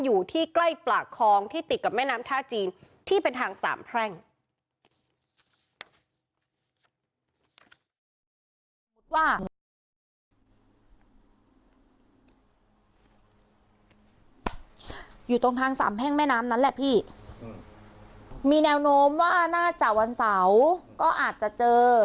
อยู่ตรงทางสามแห้งแม่น้ำนั้นแหละพี่มีแนวโน้มว่าน่าจะวันเสาร์ก็อาจจะเจอ